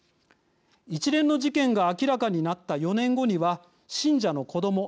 一連の事件が明らかになった４年後には信者の子ども。